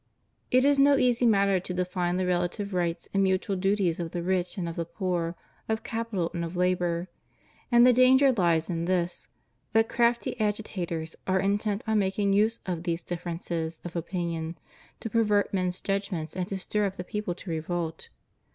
It is no easy matter to define the relative rights and mutual duties of the rich and of the poor, of capital and of labor. And the danger lies in this, that crafty agitators are intent on making use of these differences of opinion to pervert men's judgments and to stir up the people to revolt.